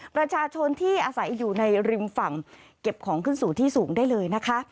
ประชาชนที่อาศัยอยู่ในริมฝั่งเก็บของขึ้นสู่ที่สูงได้เลยนะคะ